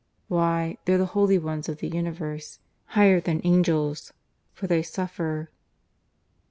Why, they're the Holy Ones of the universe higher than angels; for they suffer.